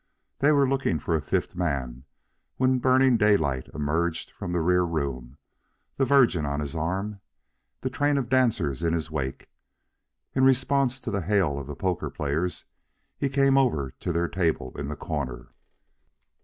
They were looking for a fifth man when Burning Daylight emerged from the rear room, the Virgin on his arm, the train of dancers in his wake. In response to the hail of the poker players, he came over to their table in the corner.